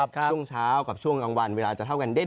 ช่วงเช้ากับช่วงกลางวันเวลาจะเท่ากันเด้น